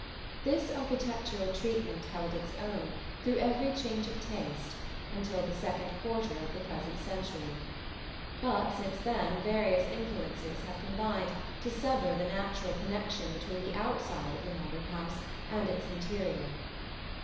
This architectural treatment held its own through every change of taste until the second quarter of the present century; but since then various influences have combined to sever the natural connection between the outside of the modern house and its interior.